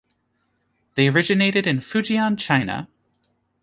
They originated in Fujian, China.